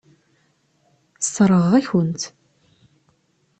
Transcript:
Sseṛɣeɣ-aken-tt.